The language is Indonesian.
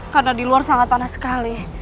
karena di luar sangat panas sekali